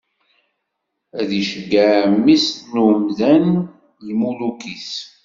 Ad d-iceggeɛ mmi-s n umdan lmuluk-is.